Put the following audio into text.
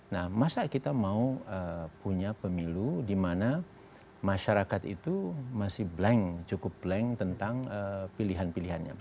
nah masa kita mau punya pemilu di mana masyarakat itu masih blank cukup blank tentang pilihan pilihannya